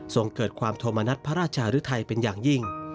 ทรงเกิดความโทมนัดพระราชาฤทัยเป็นอย่างยิ่ง